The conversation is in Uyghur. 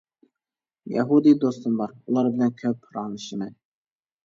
يەھۇدىي دوستۇم بار، ئۇلار بىلەن كۆپ پاراڭلىشىمەن.